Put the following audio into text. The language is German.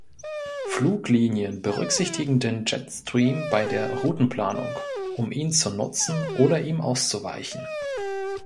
Fluglinien berücksichtigen den Jetstream bei der Routenplanung, um ihn zu nutzen oder ihm auszuweichen.